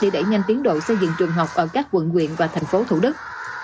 để đẩy nhanh tiến độ xây dựng trường học ở các quận quyện và thành phố thủ đức